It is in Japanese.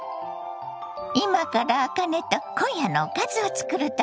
今からあかねと今夜のおかずを作るところよ。